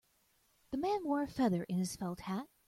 The man wore a feather in his felt hat.